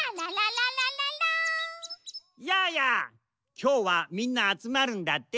きょうはみんなあつまるんだって？